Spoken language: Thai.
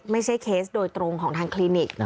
ไม่ใช่เคสโดยตรงของทางคลินิก